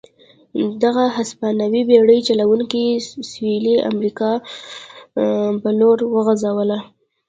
دغه هسپانوي او بېړۍ چلوونکي سوېلي امریکا په لور وخوځوله.